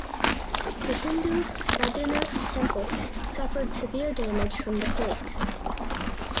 The Hindu Badrinath Temple suffered severe damage from the quake.